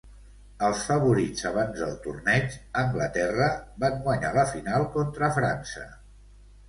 Els favorits abans del torneig, Anglaterra, van guanyar la final contra França.